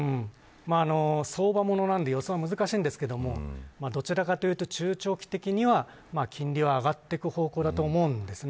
相場ものなので予想は難しいですがどちらかというと中長期的には金利は上がる方向だと思うんですね。